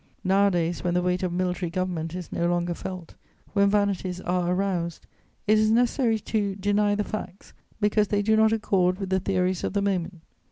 Nowadays, when the weight of military government is no longer felt, when vanities are aroused, it is necessary to deny the facts, because they do not accord with the theories of the moment.